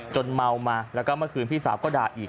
เมามาแล้วก็เมื่อคืนพี่สาวก็ด่าอีก